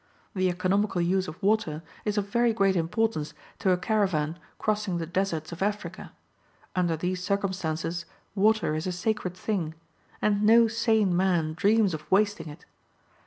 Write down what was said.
The economical use of water is of very great importance to a caravan crossing the deserts of Africa. Under these circumstances, water is a sacred thing; and no sane man dreams of wasting it.